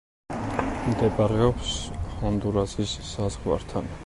მდებარეობს ჰონდურასის საზღვართან.